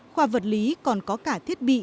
khoa vật lý còn có cả thiết bị